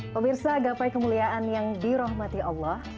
pemirsa gapai kemuliaan yang dirahmati allah